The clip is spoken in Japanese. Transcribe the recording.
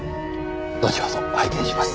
後ほど拝見します。